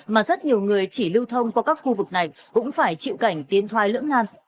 mà rất nhiều người chỉ lưu thông qua các khu vực này cũng phải chịu cảnh tiến thoai lưỡng nan